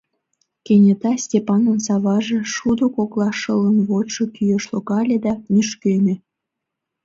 Кенета Степанын саваже шудо коклаш шылын вочшо кӱэш логале да нӱшкеме.